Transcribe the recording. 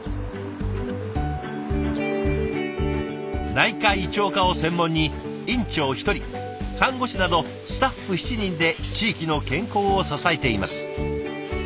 内科胃腸科を専門に院長１人看護師などスタッフ７人で地域の健康を支えています。